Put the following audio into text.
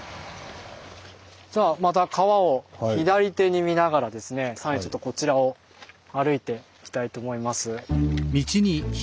さあまた川を左手に見ながらですねちょっとこちらを歩いていきたいと思います。